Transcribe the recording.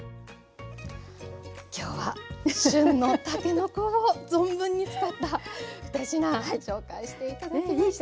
今日は旬のたけのこを存分に使った２品紹介して頂きました。